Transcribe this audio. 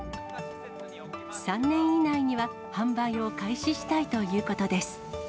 ３年以内には販売を開始したいということです。